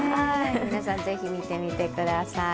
皆さん、是非見てみてください。